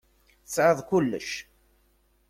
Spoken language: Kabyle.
Tesεiḍ kullec.